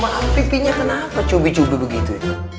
makinnya kenapa cubi cubi begitu